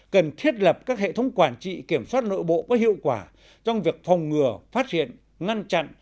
cần thiết lập các hệ thống quản trị kiểm soát nội bộ có hiệu quả trong việc phòng ngừa phát hiện ngăn chặn